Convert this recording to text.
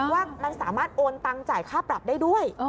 ว่ามันสามารถโอนตังจ่ายค่าปรับได้ด้วย